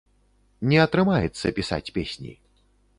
Не атрымаецца пісаць песні.